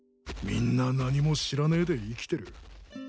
みんな何も知らねえで生きてる。